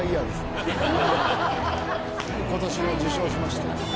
今年の受賞しました。